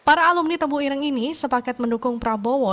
para alumni tebu ireng ini sepakat mendukung prabowo